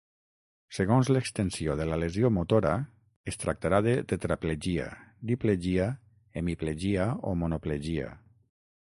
Segons l'extensió de la lesió motora, es tractarà de tetraplegia, diplegia, hemiplegia o monoplegia.